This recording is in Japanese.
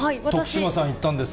徳島さん、行ったんですか？